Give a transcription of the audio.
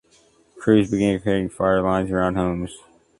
Crews began creating fire lines around homes.